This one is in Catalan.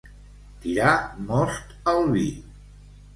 Tirar most al vi.